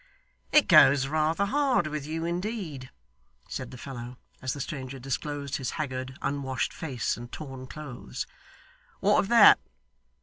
'It goes rather hard with you, indeed,' said the fellow, as the stranger disclosed his haggard unwashed face, and torn clothes. 'What of that?